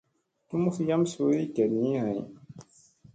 Tumus yam suy geɗgii hay.